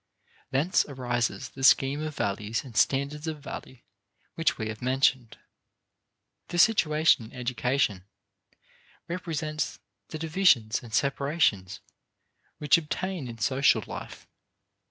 Thence arises the scheme of values and standards of value which we have mentioned. This situation in education represents the divisions and separations which obtain in social life.